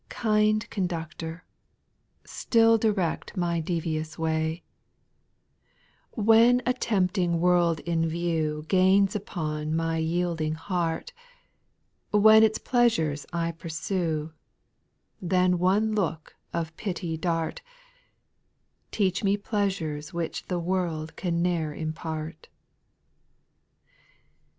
Kind Conductor, Still direct my devious vja^ \ 7* 78 SPIRITUAL SONGS. 2. When a tempting world in view Gains upon my yielding lieart. When its pleasures I pursue, Then one look of pity dart, — Teach me pleasures Which the world can ne'er impart.